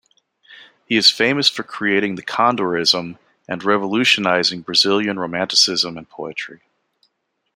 He is famous for creating the "Condorism" and revolutionizing Brazilian Romanticism and poetry.